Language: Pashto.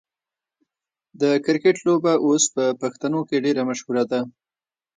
د کرکټ لوبه اوس په پښتنو کې ډیره مشهوره ده.